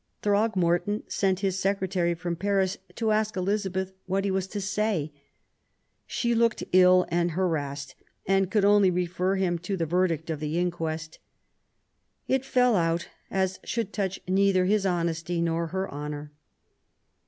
Throgmorton sent his secretary from Paris to ask Elizabeth what he was^to say. She looked ill and harassed and could only refer him to the verdict at the inquest :" It fell out as should touch neither his honesty nor her honour